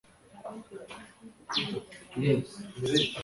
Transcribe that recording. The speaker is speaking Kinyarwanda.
Ndabizeza ko ntazatinda